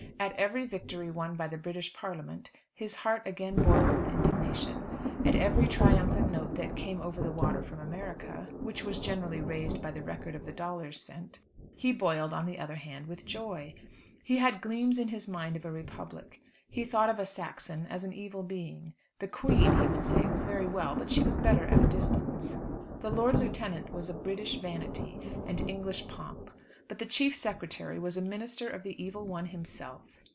At every victory won by the British Parliament his heart again boiled with indignation. At every triumphant note that came over the water from America which was generally raised by the record of the dollars sent he boiled, on the other hand, with joy. He had gleams in his mind of a Republic. He thought of a Saxon as an evil being. The Queen, he would say, was very well, but she was better at a distance. The Lord Lieutenant was a British vanity, and English pomp, but the Chief Secretary was a minister of the evil one himself.